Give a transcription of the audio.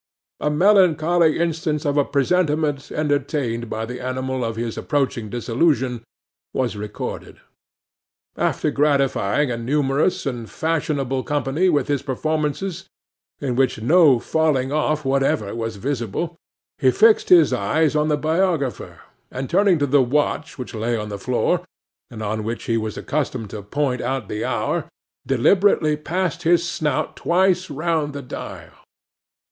A melancholy instance of a presentiment entertained by the animal of his approaching dissolution, was recorded. After gratifying a numerous and fashionable company with his performances, in which no falling off whatever was visible, he fixed his eyes on the biographer, and, turning to the watch which lay on the floor, and on which he was accustomed to point out the hour, deliberately passed his snout twice round the dial.